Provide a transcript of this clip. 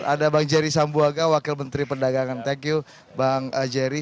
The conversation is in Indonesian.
ada bang jerry sambuaga wakil menteri perdagangan thank you bang jerry